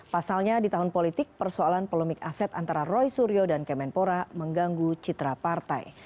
pasalnya di tahun politik persoalan polemik aset antara roy suryo dan kemenpora mengganggu citra partai